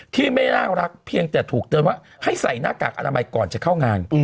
ที่ไม่น่ารักเพียงแต่ถูกเตือนว่าให้ใส่หน้ากากอนามัยก่อนจะเข้างาน